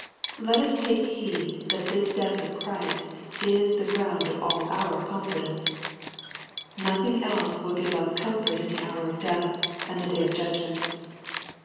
Let us take heed that this death of Christ is the ground of all our confidence. Nothing else will give us comfort in the" hour of death and the day of judgment.